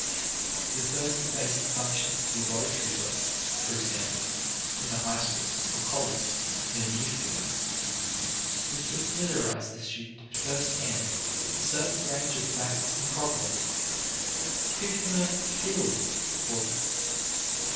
The first and basic function of laboratory work, for example, in a high school or college in a new field, is to familiarize the student at first hand with a certain range of facts and problems to give him a "feeling" for them.